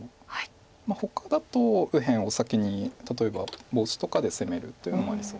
ほかだと右辺を先に例えばボウシとかで攻めるというのもありそうです。